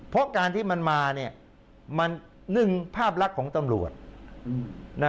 เพราะการที่มันมามันนึงภาพรักษ์ของตำรวจ